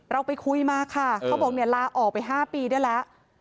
เราไปคุยมาค่ะเขาบอกเนี่ยลาออกไป๕ปีได้แล้ว